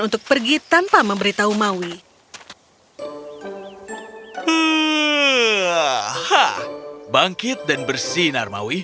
untuk pergi tanpa memberitahu maui